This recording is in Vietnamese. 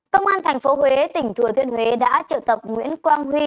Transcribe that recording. công an tp huế tỉnh thừa thiên huế đã triệu tập nguyễn quang huy